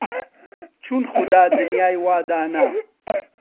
چون خودا دنیای وا دانا